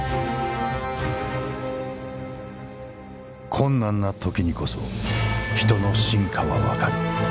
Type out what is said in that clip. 「困難な時にこそ人の真価は判る」。